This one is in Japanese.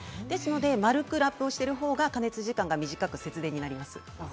ですので、丸くラップをした方が加熱時間が短く節電になります。